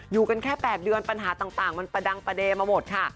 อยู่กันแค่๘เดือนปัญหาต่างมันประดังประเดมาหมดค่ะ